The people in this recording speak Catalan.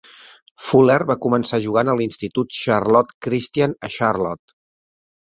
Fuller va començar jugant a l'Institut Charlotte Christian a Charlotte.